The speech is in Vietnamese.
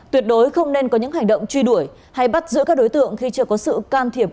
tuyệt đối không nên có những hành động truy đuổi hay bắt giữ các đối tượng khi chưa có sự can thiệp